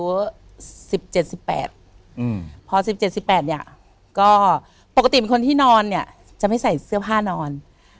อือพอ๑๗๑๘เนี้ยก็ปกติมีคนที่นอนเนี้ยจะไม่ใส่เสื้อผ้านอน